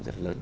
rất là lớn